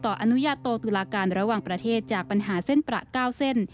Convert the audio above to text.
อนุญาโตตุลาการระหว่างประเทศจากปัญหาเส้นประ๙เส้น